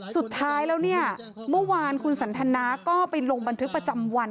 สุดท้ายแล้วเนี่ยเมื่อวานคุณสันทนาก็ไปลงบันทึกประจำวัน